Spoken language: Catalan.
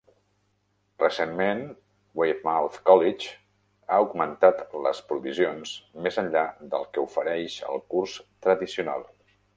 Recentment, Weymouth College ha augmentat les provisions més enllà del que ofereix el curs tradicional.